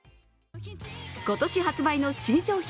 今年発売の新商品